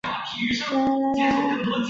华阳县人。